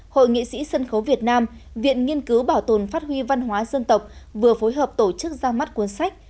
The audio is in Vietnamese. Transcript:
hội nghị sĩ sân khấu việt nam viện nghiên cứu bảo tồn phát huy văn hóa dân tộc vừa phối hợp tổ chức ra mắt cuốn sách